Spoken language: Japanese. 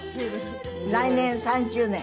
来年３０年。